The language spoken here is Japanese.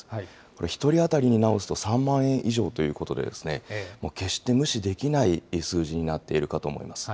これ１人当たりに直すと３万円以上ということで、もう決して無視できない数字になっているかと思います。